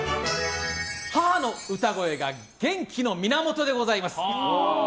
母の歌声が元気の源でございます。